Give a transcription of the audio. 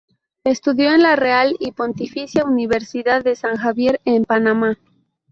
Estudió en la Real y Pontificia Universidad de San Javier en Panamá.